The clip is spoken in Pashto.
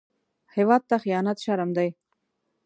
هېواد ته خيانت شرم دی